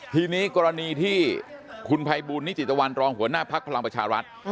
ทีนี้กรณีที่คุณภัยบูลนิติตะวันรองหัวหน้าภักดิ์พลังประชารัฐ